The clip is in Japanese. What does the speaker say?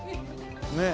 ねえ。